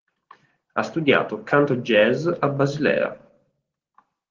Ha studiato canto jazz a Basilea.